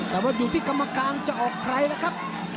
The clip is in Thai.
แต่ว่าอยู่ที่กรรมการจะออกใครแล้วครับ